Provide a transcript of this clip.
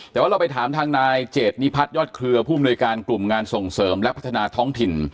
แต่ว่าเราไปถามทางนายเจดนิพัฒนยอดเครือผู้อำนวยการกลุ่มงานส่งเสริมและพัฒนาท้องถิ่น